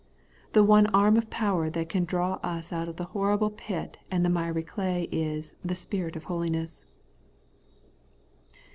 The one arm of power that can draw us out of the horrible pit and the miry clay, is ' the Spirit of holiness.'